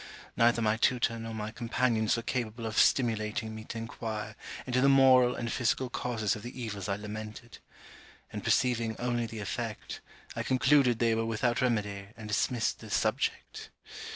Neither my tutor nor my companions were capable of stimulating me to inquire into the moral and physical causes of the evils I lamented; and, perceiving only the effect, I concluded they were without remedy, and dismissed the subject.